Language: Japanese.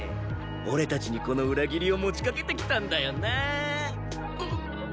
俺たちにこの裏切りを持ちかけてきたんだよな？